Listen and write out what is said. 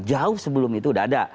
jauh sebelum itu sudah ada